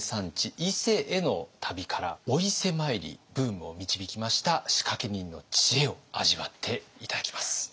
伊勢への旅からお伊勢参りブームを導きました仕掛け人の知恵を味わって頂きます。